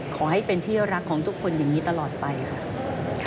ขอให้เป็นที่รักของทุกคนอย่างนี้ตลอดไปค่ะ